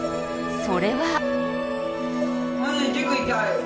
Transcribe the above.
それは。